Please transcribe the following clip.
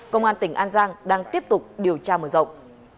công an tỉnh an giang đang tiếp tục điều tra mở rộng